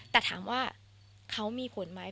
แต่ถามว่าเขามีผลไหม